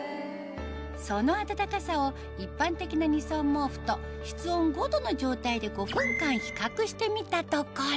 その暖かさを一般的な２層毛布と室温５度の状態で５分間比較してみたところ